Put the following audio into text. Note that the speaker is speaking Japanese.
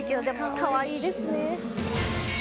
でもかわいいですね。